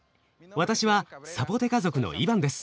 私はサポテカ族のイバンです。